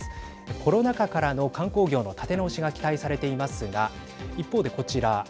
コロナ禍からの観光業の立て直しが期待されていますが一方でこちら。